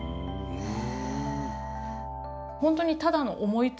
へえ！